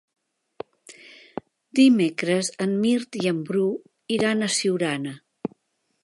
Dimecres en Mirt i en Bru iran a Siurana.